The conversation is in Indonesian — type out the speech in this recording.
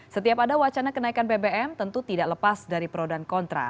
setiap ada wacana kenaikan bbm tentu tidak lepas dari pro dan kontra